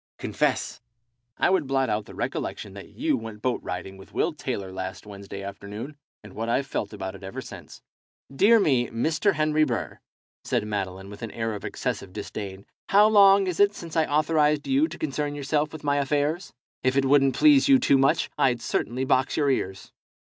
Confess." "I would blot out the recollection that you went boat riding with Will Taylor last Wednesday afternoon, and what I've felt about it ever since." "Dear me, Mr. Henry Burr," said Madeline, with an air of excessive disdain, "how long is it since I authorized you to concern yourself with my affairs? If it wouldn't please you too much, I'd certainly box your ears.